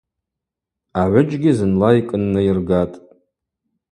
Агӏвыджьгьи зынла йкӏыннайыргатӏ.